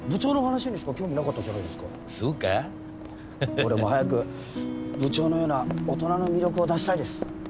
俺も早く部長のような大人の魅力を出したいです。